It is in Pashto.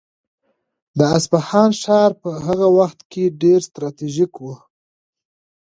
د اصفهان ښار په هغه وخت کې ډېر ستراتیژیک و.